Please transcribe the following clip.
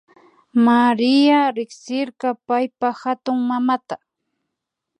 Maria riksirka paypa hatunmamata